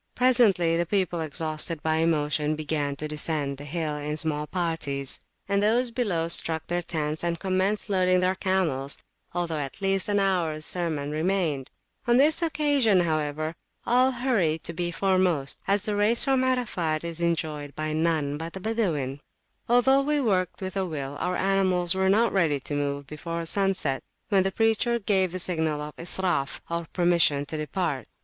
Presently the people, exhausted by emotion, began to descend the hill in small parties; and those below struck their tents and commenced loading their camels, although at least an hours sermon remained. On this occassion, [p.199] however, all hurry to be foremost, as the race from Arafat is enjoyed by none but the Badawin. Although we worked with a will, our animals were not ready to move before sunset, when the preacher gave the signal of Israf, or permission to depart.